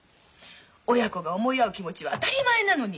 親子が思い合う気持ちは当たり前なのに。